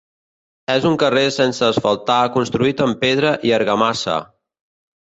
És un carrer sense asfaltar construït amb pedra i argamassa.